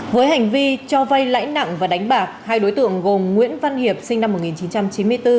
với hành vi cho vay lãi nặng và đánh bạc hai đối tượng gồm nguyễn văn hiệp sinh năm một nghìn chín trăm chín mươi bốn